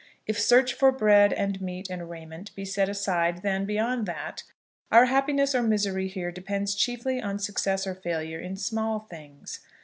If search for bread, and meat, and raiment, be set aside, then, beyond that, our happiness or misery here depends chiefly on success or failure in small things.